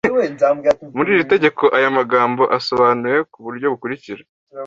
muri iri tegeko aya magambo asobanuwe ku buryo bukurikira